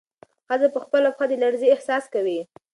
ښځه په خپله پښه کې د لړزې احساس کوي.